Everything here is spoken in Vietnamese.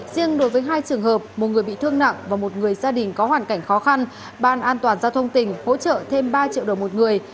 riêng đối với hai trường hợp một người bị thương nặng và một người gia đình có hoàn cảnh khó khăn ban an toàn giao thông tỉnh hỗ trợ thêm ba triệu đồng một người